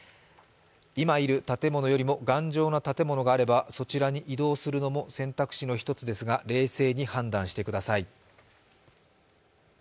今いる建物よりも頑丈な建物があればそちらに移動するのも選択肢の一つですが、冷静に判断してください。